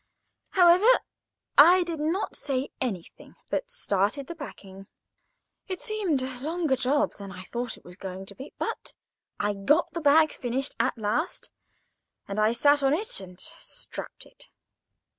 However, I did not say anything, but started the packing. It seemed a longer job than I had thought it was going to be; but I got the bag finished at last, and I sat on it and strapped it.